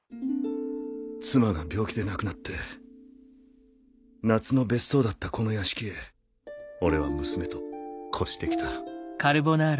妻が病気で亡くなって夏の別荘だったこの屋敷へ俺は娘と越して来た。